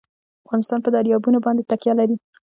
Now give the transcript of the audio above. افغانستان په دریابونه باندې تکیه لري.